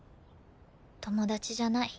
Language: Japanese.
友達じゃない。